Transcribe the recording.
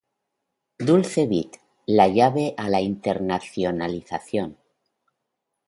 Dulce Beat, la llave a la internacionalización.